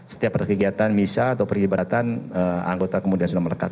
setiap perkegiatan misa atau perlibatan anggota kemudian sudah melekat